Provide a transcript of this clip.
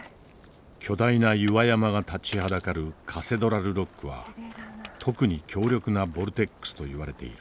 巨大な岩山が立ちはだかるカセドラルロックは特に強力なボルテックスといわれている。